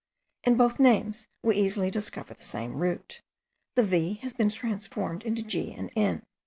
In both names we easily discover the same root. The v has been transformed into g and n.